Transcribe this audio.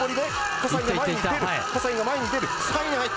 葛西が前に出る。